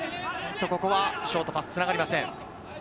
ここはショートパス、つながりません。